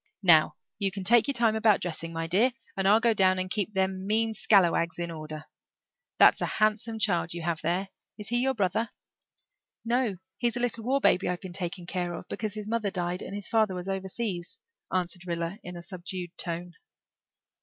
Now, you can take your time about dressing, my dear, and I'll go down and keep them mean scallawags in order. That's a handsome child you have there. Is he your brother?" "No, he's a little war baby I've been taking care of, because his mother died and his father was overseas," answered Rilla in a subdued tone.